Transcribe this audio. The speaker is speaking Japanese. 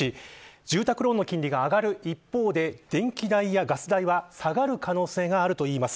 住宅ローンの金利が上がる一方で電気代やガス代は下がる可能性があるといいます。